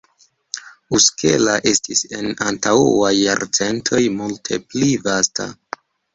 Uskela estis en antaŭaj jarcentoj multe pli vasta.